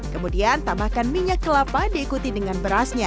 kemudian tambahkan minyak kelapa diikuti dengan berasnya